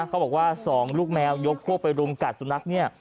เขาบอกว่า๒ลูกแมวยกโก้ไปรุมกัดสุนัข